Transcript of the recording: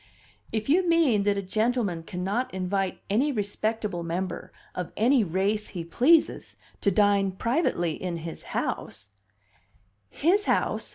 "If you mean that a gentleman cannot invite any respectable member of any race he pleases to dine privately in his house " "His house!"